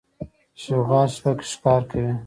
شغال شپه کې ښکار کوي.